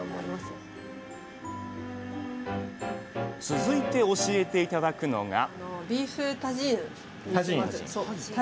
続いて教えて頂くのが？